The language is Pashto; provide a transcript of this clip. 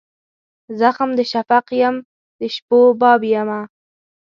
زخم د شفق یم د شپو باب یمه